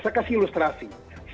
saya kasih ilustrasi